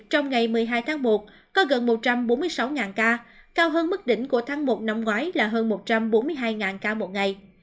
tháng một có gần một trăm bốn mươi sáu ca cao hơn mức đỉnh của tháng một năm ngoái là hơn một trăm bốn mươi hai ca một ngày